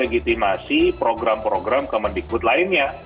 legitimasi program program kemendikbud lainnya